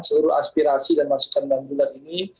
seluruh aspirasi dan masukan bang gula ini